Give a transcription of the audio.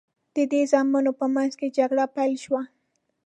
د دې زامنو په منځ کې جګړه پیل شوه.